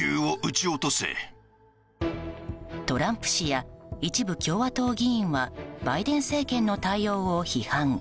トランプ氏や一部共和党議員はバイデン政権の対応を批判。